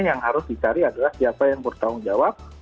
yang harus dicari adalah siapa yang bertanggung jawab